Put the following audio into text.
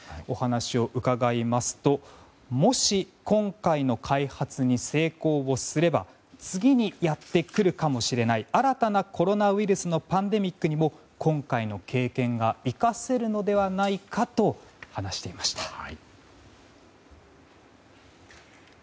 お話を伺いますともし、今回の開発に成功すれば次にやってくるかもしれない新たなコロナウイルスのパンデミックにも今回の経験が生かせるのではないかと話していました。